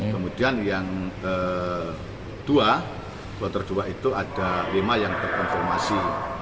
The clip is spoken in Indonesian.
kemudian yang dua kloter dua itu ada lima yang terkonfirmasi